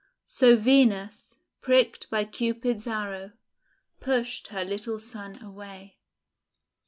So Venus, pricked by Cupid's arrow, pushed her little son away.